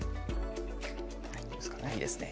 いいですね。